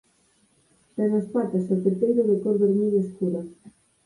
Ten as patas e o peteiro de cor vermella escura.